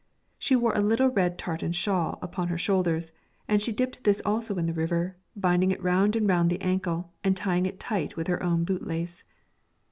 She wore a little red tartan shawl upon her shoulders, and she dipped this also in the river, binding it round and round the ankle, and tying it tight with her own boot lace.